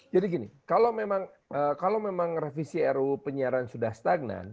jadi gini kalau memang revisi ruu penyiaran sudah stagnan